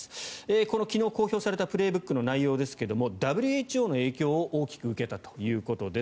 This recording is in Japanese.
この昨日公表された「プレーブック」の内容ですけどＷＨＯの影響を大きく受けたということです。